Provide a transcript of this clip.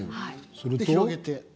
広げて。